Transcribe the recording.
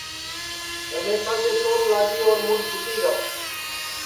رمیشا کے چوٹ لاگی اور مُڈؔ پُھٹی گا